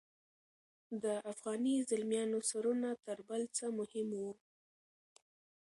د افغاني زلمیانو سرونه تر بل څه مهم وو.